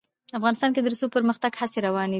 افغانستان کې د رسوب د پرمختګ هڅې روانې دي.